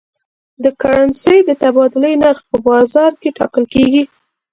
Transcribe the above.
د کرنسۍ د تبادلې نرخ په بازار کې ټاکل کېږي.